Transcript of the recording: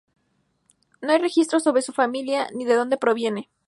No hay registros sobre su familia ni de donde proviene.